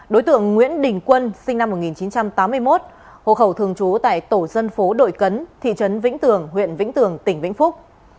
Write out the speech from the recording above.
đối tượng nguyễn đình quân sinh năm một nghìn chín trăm tám mươi một hộ khẩu thường trú tại tổ dân phố đội cấn thị trấn vĩnh tường huyện vĩnh tường tỉnh vĩnh phúc